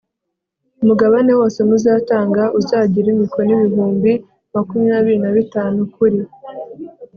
Umugabane wose muzatanga uzagire imikono ibihumbi makumyabiri na bitanu kuri